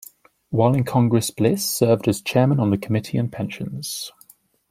While in Congress Bliss served as Chairman on the Committee on Pensions.